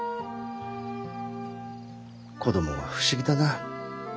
子供は不思議だな。